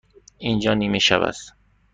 اینجا نیمه شب است.